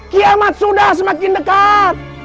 kiamat sudah semakin dekat